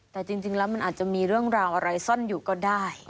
แต่จริงแล้วมันอาจจะมีเรื่องราวอะไรซ่อนอยู่ก็ได้